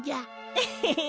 エヘヘ！